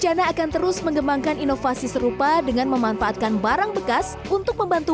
karena akan terus mengembangkan inovasi serupa dengan memanfaatkan barang bekas untuk membantu